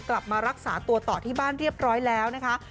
กลับมารักษาตัวต่อที่บ้านเรียบร้อยแล้วนะคะ